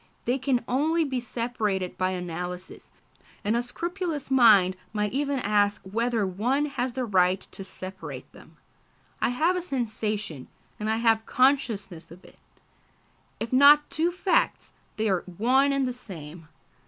They can only be separated by analysis, and a scrupulous mind might even ask whether one has the right to separate them. I have a sensation, and I have consciousness of it. If not two facts, they are one and the same.